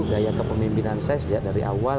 gaya kepemimpinan saya sejak dari awal